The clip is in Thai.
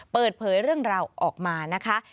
เปิดเผยเรื่องราวออกมานะคะ